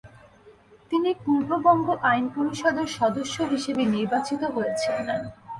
তিনি পূর্ববঙ্গ আইন পরিষদের সদস্য হিসেবে নির্বাচিত হয়েছিলেন।